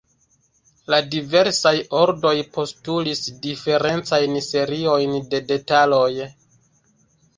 La diversaj ordoj postulis diferencajn seriojn de detaloj.